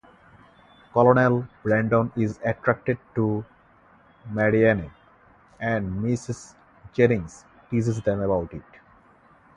Colonel Brandon is attracted to Marianne, and Mrs Jennings teases them about it.